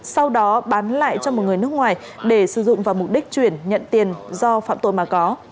sau đó bán lại cho một người nước ngoài để sử dụng vào mục đích chuyển nhận tiền do phạm tội mà có